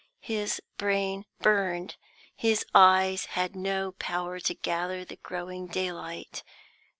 His brain burned: his eyes had no power to gather the growing daylight.